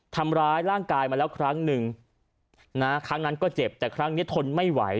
ทำร้ายร่างกายมาแล้วครั้งหนึ่งนะครั้งนั้นก็เจ็บแต่ครั้งนี้ทนไม่ไหว